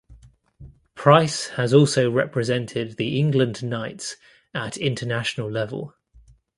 Pryce has also represented the England knights at international level.